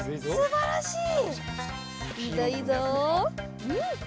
おすばらしい！